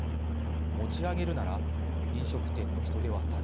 持ち上げるなら飲食店の人手は足りているのか。